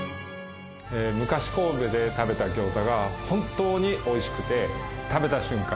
昔神戸で食べた餃子が本当に美味しくて食べた瞬間